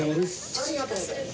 ありがとうございます。